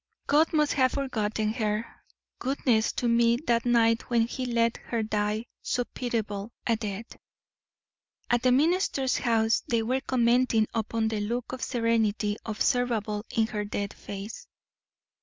God must have forgotten her goodness to me that night when He let her die so pitiable a death." At the minister's house they were commenting upon the look of serenity observable in her dead face.